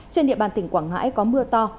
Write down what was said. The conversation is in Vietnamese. trên địa bàn tỉnh quảng ngãi có mưa to